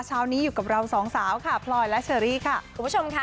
เช้านี้อยู่กับเราสองสาวค่ะพลอยและเชอรี่ค่ะคุณผู้ชมค่ะ